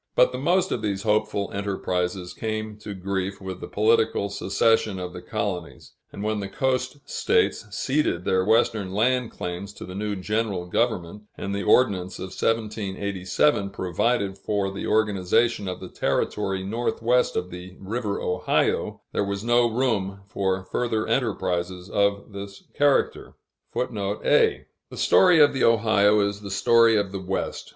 But the most of these hopeful enterprises came to grief with the political secession of the colonies; and when the coast States ceded their Western land claims to the new general government, and the Ordinance of 1787 provided for the organization of the Territory Northwest of the River Ohio, there was no room for further enterprises of this character.[A] The story of the Ohio is the story of the West.